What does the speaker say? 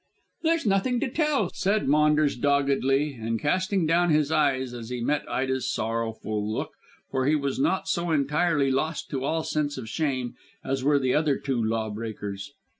"There's nothing to tell," said Maunders doggedly, and casting down his eyes as he met Ida's sorrowful look, for he was not so entirely lost to all sense of shame as were the other two law breakers.